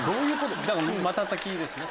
だからまたたきですね。